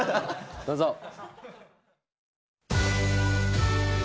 どうぞ。